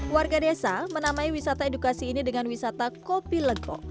warga desa menamai wisata edukasi ini dengan wisata kopi legok